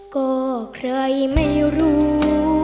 ก็ใครไม่รู้